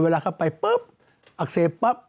เวลาเข้าไปปุ๊บอักเสบปั๊บ